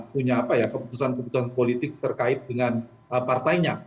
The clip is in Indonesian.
punya keputusan keputusan politik terkait dengan partainya